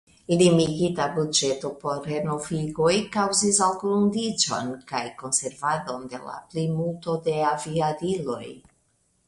Limigita buĝeto por renovigoj kaŭzis algrundiĝon kaj konservadon de la plimulto de aviadiloj.